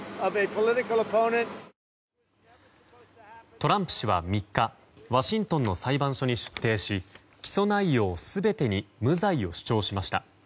トランプ氏は３日ワシントンの裁判所に出廷し起訴内容全てに無罪を主張しました。